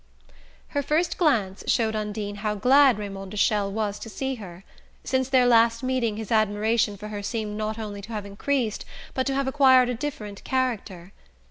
Her first glance showed Undine how glad Raymond de Chelles was to see her. Since their last meeting his admiration for her seemed not only to have increased but to have acquired a different character.